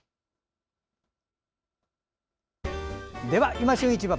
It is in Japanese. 「いま旬市場」